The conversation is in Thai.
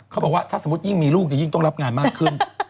เขาบอกว่าถ้าสมมุติยิ่งมีลูกยิ่งต้องรับงานมากขึ้น